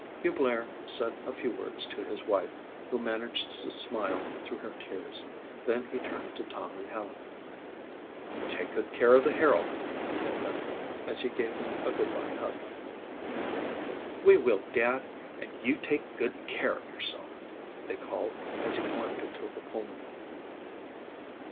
Hugh Blair said a few words to his wife, who managed to smile through her tears. Then he turned to Tom and Helen. "Take good care of the Herald," he told them, as he gave them a goodbye hug. "We will Dad and you take good care of yourself," they called as he climbed into the Pullman.